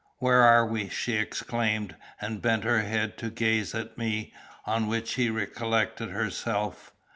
"Where are we?" she exclaimed, and bent her head to gaze at me, on which she recollected herself.